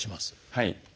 はい。